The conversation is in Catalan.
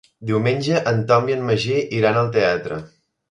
Diumenge en Tom i en Magí iran al teatre.